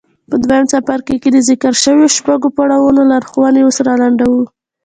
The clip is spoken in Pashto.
په دويم څپرکي کې د ذکر شويو شپږو پړاوونو لارښوونې اوس را لنډوو.